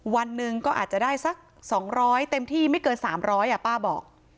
วันหนึ่งก็อาจจะได้สัก๒๐๐เต็มที่ไม่เกิน๓๐๐ป้าบอก